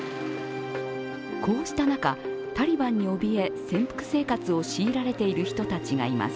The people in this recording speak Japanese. こうした中、タリバンにおびえ、潜伏生活を強いられている人たちがいます。